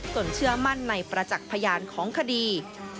เชื่อมั่นในประจักษ์พยานของคดี